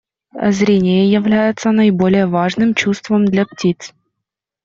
Зрение является наиболее важным чувством для птиц.